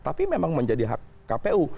tapi memang menjadi hak kpu